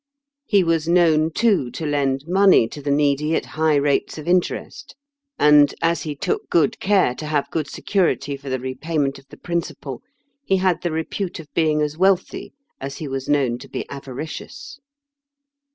He was known, too, to lend money to the needy at hiffh rates of interest: and, as he. took good Le to have good security for the re. payment of the principal, he had the repute of being as wealthy as he was known to be avaricious.